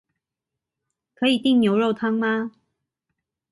可以訂牛肉湯嗎？